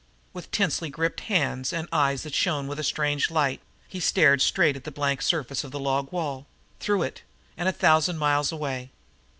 With tensely gripped hands and eyes that shone with a strange light he stared straight at the blank surface of the log wall through it and a thousand miles away.